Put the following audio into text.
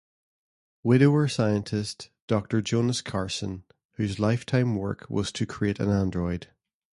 Widower scientist, Doctor Jonas Carson, whose lifetime work was to create an android.